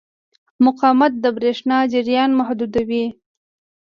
مقاومت د برېښنا جریان محدودوي.